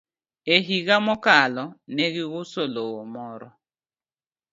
E higa mokalo, ne giuso lowo moro.